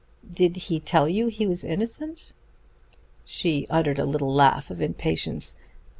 Did he tell you he was innocent?" She uttered a little laugh of impatience.